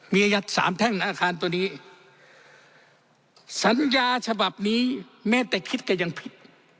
มีอายัดสามแท่งอาคารตัวนี้สัญญาฉบับนี้แม้แต่คิดก็ยังผิด